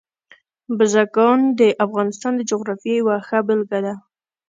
بزګان د افغانستان د جغرافیې یوه ښه بېلګه ده.